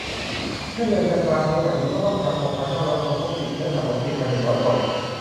เช่น เรือนจำกลางเชียงใหม่ มีผู้ต้องขังหกพันห้าร้อยคน พบติดเชื้อสะสมสี่พันหนึ่งร้อยคน